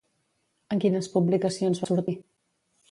En quines publicacions va sortir?